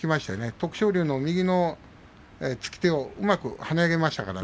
徳勝龍の右のつき手をうまく跳ね上げました。